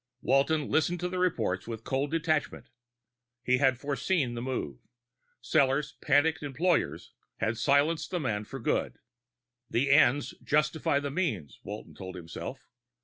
Walton listened to the reports with cold detachment. He had foreseen the move: Sellors' panicky employers had silenced the man for good. The ends justify the means, Walton told himself.